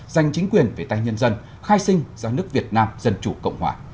dành chính quyền về tay nhân dân khai sinh do nước việt nam dân chủ cộng hòa